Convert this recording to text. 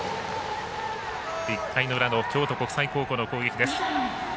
１回の裏の京都国際の攻撃です。